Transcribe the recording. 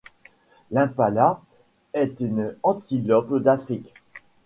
L'impala est une antilope d'Afrique